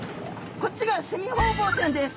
こっちがセミホウボウちゃんです。